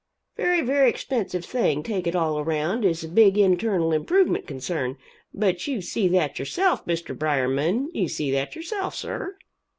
Very, very expensive thing, take it all around, is a big internal improvement concern but you see that yourself, Mr. Bryerman you see that, yourself, sir."